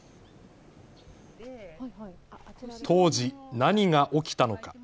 当時、何が起きたのか。